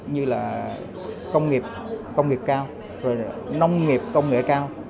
như là công nghiệp cao nông nghiệp công nghệ cao